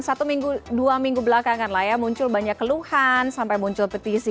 satu minggu dua minggu belakangan lah ya muncul banyak keluhan sampai muncul petisi